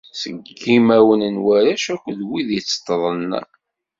Seg yimawen n warrac akked wid itteṭṭḍen.